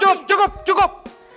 cukup cukup cukup